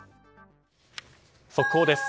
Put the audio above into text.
速報です。